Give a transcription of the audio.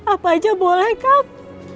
apa aja boleh kang